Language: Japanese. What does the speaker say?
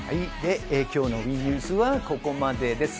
今日のＷＥニュースはここまでです。